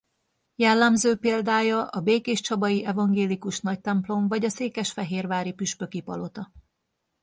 Jellemző példája a békéscsabai evangélikus nagytemplom vagy a székesfehérvári püspöki palota.